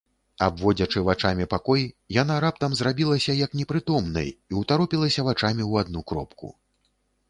Абводзячы вачамі пакой, яна раптам зрабілася як непрытомнай і ўтаропілася вачамі ў адну кропку.